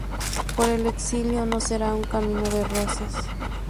Pero el exilio no será un camino de rosas.